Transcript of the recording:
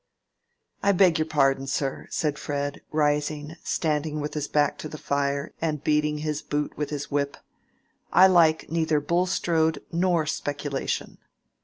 "I beg your pardon, sir," said Fred, rising, standing with his back to the fire and beating his boot with his whip. "I like neither Bulstrode nor speculation."